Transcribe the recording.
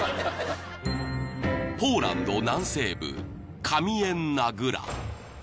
［ポーランド南西部カミエンナ・グラ］